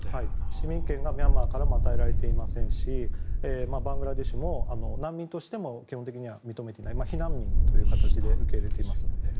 市民権がミャンマーからも与えられていませんしバングラデシュも難民としては基本的に認めていない避難民という形で受け入れています。